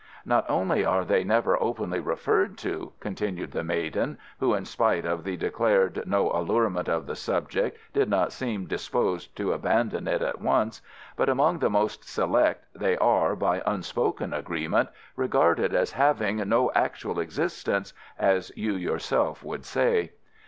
"Not only are they never openly referred to," continued the maiden, who in spite of the declared no allurement of the subject did not seem disposed to abandon it at once, "but among the most select they are, by unspoken agreement, regarded as 'having no actual existence,' as you yourself would say."